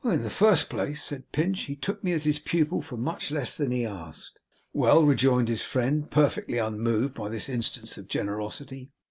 'In the first place,' said Pinch, 'he took me as his pupil for much less than he asked.' 'Well,' rejoined his friend, perfectly unmoved by this instance of generosity.